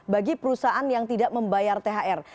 bagi perusahaan yang tidak membayar thr